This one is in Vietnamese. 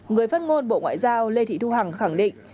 người phát ngôn bộ ngoại giao lê thị thu hằng khẳng định